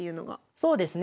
そうですね。